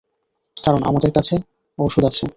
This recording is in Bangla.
কারণ আমাদের কাছে ঔষধ আছে।